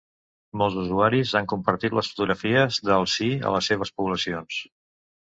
Molts usuaris han compartit les fotografies dels Sí a les seves poblacions.